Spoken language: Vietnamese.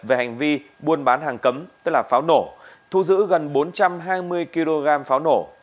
về hành vi buôn bán hàng cấm tức là pháo nổ thu giữ gần bốn trăm hai mươi kg pháo nổ